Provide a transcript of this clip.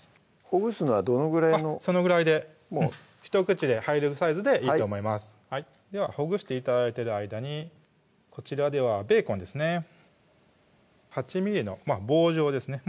ほぐすのはどのぐらいのそのぐらいでひと口で入るサイズでいいと思いますではほぐして頂いてる間にこちらではベーコンですね８ｍｍの棒状ですね